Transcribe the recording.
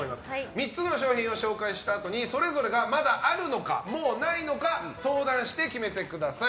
３つの商品を紹介したあとにそれぞれがまだあるのかもうないのか相談して決めてください。